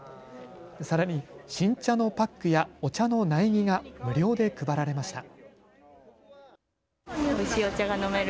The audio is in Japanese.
さらに新茶のパックやお茶の苗木が無料で配られました。